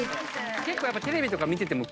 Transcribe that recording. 結構テレビとか見てても。